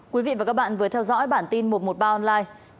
quý vị và các bạn vừa theo dõi bản tin một trăm một mươi ba online